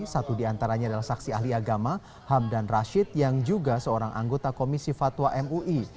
satu diantaranya adalah saksi ahli agama hamdan rashid yang juga seorang anggota komisi fatwa mui